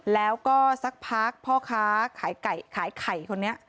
แล้วก็สักพักพ่อค้าขายไก่ขายไข่คนนี้